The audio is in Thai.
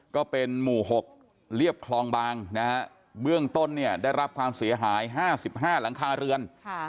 ก็เป็นหมู่๖เรียบคลองบางนะฮะเบื้องต้นเนี่ยได้รับความเสียหาย๕๕หลังคาเรือน